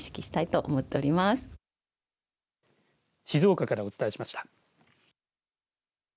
静岡からお伝えしました。